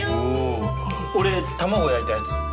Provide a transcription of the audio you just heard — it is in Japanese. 俺卵を焼いたやつ。